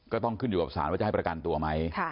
ก็ต้องขึ้นอยู่กับสารว่าจะให้ประกันตัวไหม